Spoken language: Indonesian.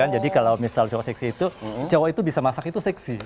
jadi kalau misal cok seksi itu cowok itu bisa masak itu seksi